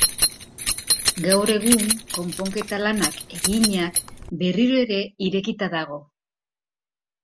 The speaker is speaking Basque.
Gaur egun, konponketa lanak eginak, berriro ere irekita dago.